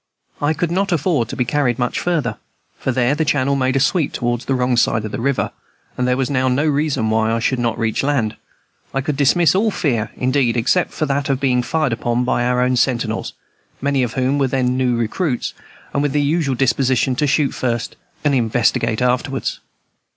I could not afford to be carried down much farther, for there the channel made a sweep toward the wrong side of the river; but there was now no reason why I should not reach land. I could dismiss all fear, indeed, except that of being fired upon by our own sentinels, many of whom were then new recruits, and with the usual disposition to shoot first and investigate afterwards.